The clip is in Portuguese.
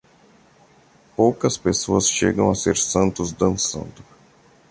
Poucas pessoas chegam a ser santos dançando.